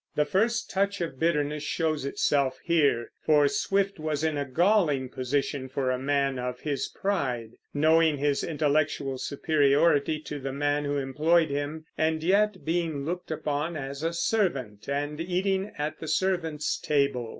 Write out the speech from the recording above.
The first touch of bitterness shows itself here; for Swift was in a galling position for a man of his pride, knowing his intellectual superiority to the man who employed him, and yet being looked upon as a servant and eating at the servants' table.